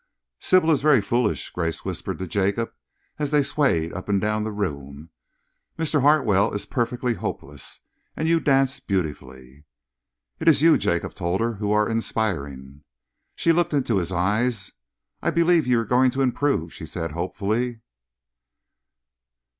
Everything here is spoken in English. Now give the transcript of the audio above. "Sybil is very foolish," Grace whispered to Jacob, as they swayed up and down the room. "Mr. Hartwell is perfectly hopeless, and you dance beautifully." "It is you," Jacob told her, "who are inspiring." She looked into his eyes. "I believe you are going to improve," she said hopefully.